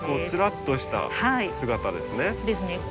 スラッとした姿ですね。